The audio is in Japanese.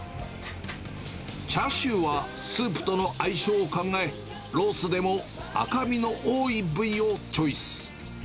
チャーシューはスープとの相性を考え、ロースでも赤身の多い部位をチョイス。